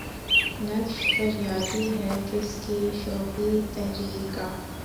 نقش فریادی ہے کس کی شوخیٴ تحریر کا؟